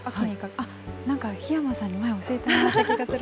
あっ、なんか檜山さんに前、教えてもらった気がする。